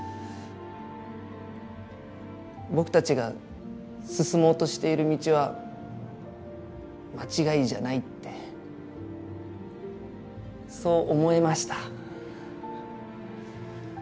僕たちが進もうとしている道は間違いじゃないってそう思えました。